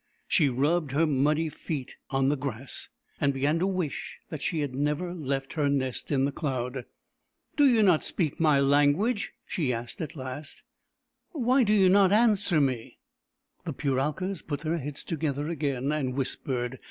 She rubbed her muddy feet on the grass, and began to wish that she had never left her nest in the cloud. " Do you not speak my language ?" she asked at last. " WTiy do you not answer me ?" The Puralkas put their heads together again, and whispered.